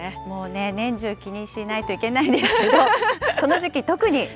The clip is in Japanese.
もうね、年中気にしないといけないですけど、この時期、特に。